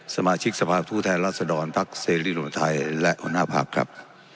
สมาชิกสภาพทูแทนรัศดรพรรคเศรษฐ์วิสุทธิ์ธรรมไทยและอุณหภาพครับ